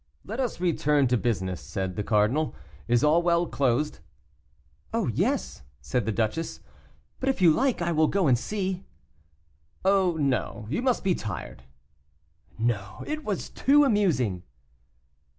"Let us return to business," said the cardinal, "is all well closed?" "Oh, yes!" said the duchess, "but if you like I will go and see." "Oh, no; you must be tired." "No; it was too amusing."